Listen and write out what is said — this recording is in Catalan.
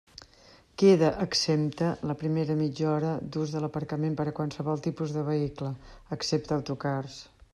Queda exempta la primera mitja hora d'ús de l'aparcament per a qualsevol tipus de vehicle, excepte autocars.